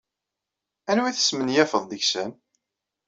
Anwa ay tesmenyafeḍ deg-sen?